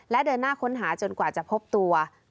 และเดินหน้าค้นหาจนกว่าจะพบตัว